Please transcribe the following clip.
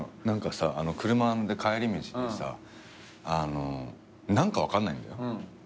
何かさ車で帰り道にさ何か分かんないんだよ。